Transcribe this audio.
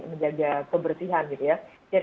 menjaga kebersihan gitu ya jadi